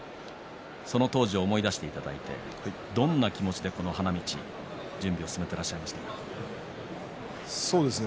その当時を思い出していただいてどんな気持ちでこの花道準備を進めてらっしゃいましたか。